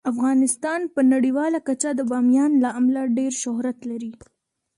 افغانستان په نړیواله کچه د بامیان له امله ډیر شهرت لري.